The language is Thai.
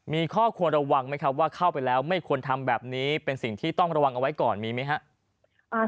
มีข้อควรระวังไหมครับว่าเข้าไปแล้วไม่ควรทำแบบนี้เป็นสิ่งที่ต้องระวังเอาไว้ก่อนมีไหมครับ